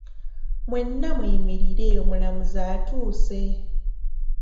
Mwenna muyimirire omulamuzi atuuse.